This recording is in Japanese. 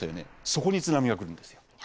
そこに津波が来るんですよ。